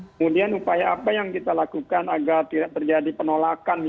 kemudian upaya apa yang kita lakukan agar tidak terjadi penolakan